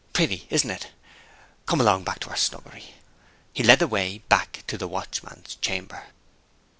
Pretty, isn't it? Come along back to our snuggery." He led the way to the Watchman's Chamber.